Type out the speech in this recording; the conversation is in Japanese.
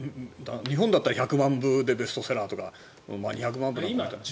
日本だったら１００万部でベストセラーとか２００万部だったら。